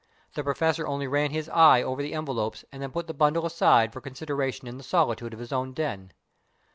The Professor only ran his eye over the envelopes and then put the bundle aside for consideration in the solitude of his own den.